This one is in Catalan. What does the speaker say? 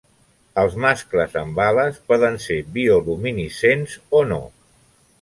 Els mascles amb ales poden ser bioluminescents o no.